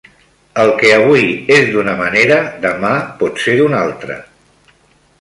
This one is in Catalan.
El que avui és d'una manera demà pot ser d'una altra.